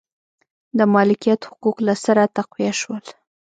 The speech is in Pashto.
د مالکیت حقوق له سره تقویه شول.